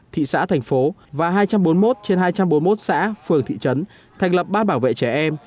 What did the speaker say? thị xã thành phố và hai trăm bốn mươi một trên hai trăm bốn mươi một xã phường thị trấn thành lập bát bảo vệ trẻ em